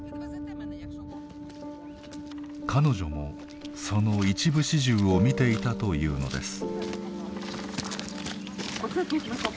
彼女もその一部始終を見ていたというのです。